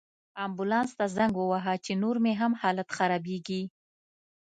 امبولانس ته زنګ ووهه، چې نور مې هم حالت خرابیږي